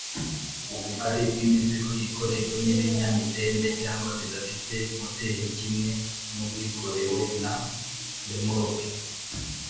ubugali bw’imizigo yikorewe n’ibinyamitende cg bidafite moteri kimwe nubwikorewe na remoruke